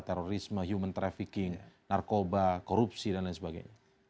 terorisme human trafficking narkoba korupsi dan lain sebagainya